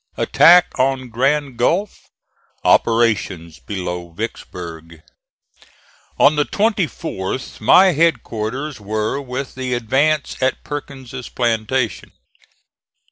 ATTACK ON GRAND GULF OPERATIONS BELOW VICKSBURG. On the 24th my headquarters were with the advance at Perkins' plantation.